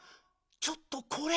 ちょっとこれ。